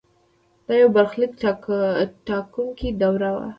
دا یو برخلیک ټاکونکې دوره وه.